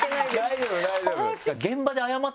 大丈夫大丈夫。